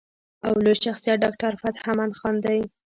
او لوئ شخصيت ډاکټر فتح مند خان دے ۔